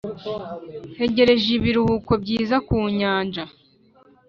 ] ntegereje ibiruhuko byiza ku nyanja.